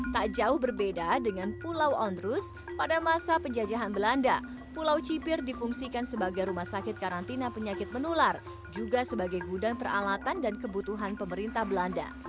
tak jauh berbeda dengan pulau onrus pada masa penjajahan belanda pulau cipir difungsikan sebagai rumah sakit karantina penyakit menular juga sebagai gudang peralatan dan kebutuhan pemerintah belanda